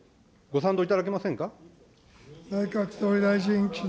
ご賛同いただけませんか。